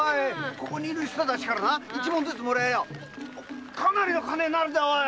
ここにいる人たちから一文ずつもらえばかなりの金になるぜ！